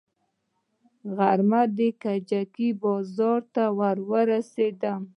غرمه د کجکي بازار ته ورسېدم.